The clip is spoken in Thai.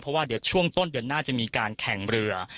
เพราะว่าเดี๋ยวช่วงต้นเดือนหน้าจะมีการแข่งเรือ